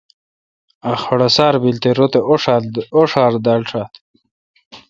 ا خڑسار بیل تے رت اوݭار دال ݭات۔